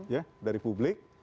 ya dari publik